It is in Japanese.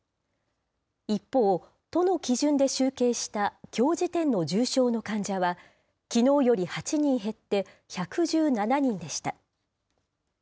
一方、都の基準で集計したきょう時点の重症の患者は、きのうより８人減って１１７人でした。